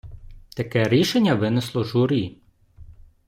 Таке рішення винесло журі.